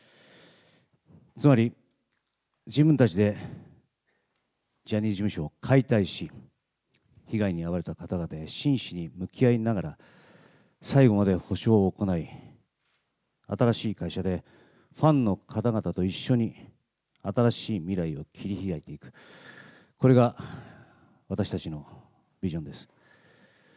つまり、自分たちでジャニーズ事務所を解体し、被害に遭われた方々へ真摯に向き合いながら、最後まで補償を行い、新しい会社でファンの方々と一緒に新しい未来を切り開いていく、これが私たちのビジョンです。